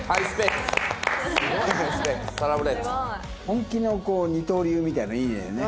本気の二刀流みたいなのいいよね。